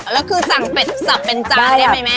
แล้วคือสั่งเป็ดสับเป็นจานได้ไหมแม่